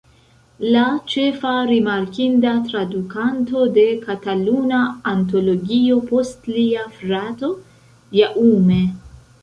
La ĉefa rimarkinda tradukanto de Kataluna Antologio post lia frato Jaume.